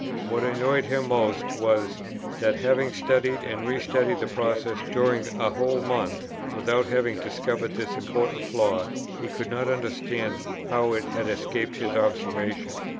What annoyed him most was, that having studied and re studied the process during a whole month, without having discovered this important flaw, he could not understand how it had escaped his observation."